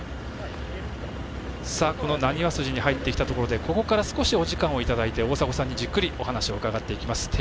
なにわ筋に入ってきたところでここから少しお時間をいただいて大迫さんにじっくりお話を伺っていきます。